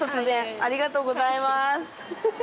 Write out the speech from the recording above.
ありがとうございます。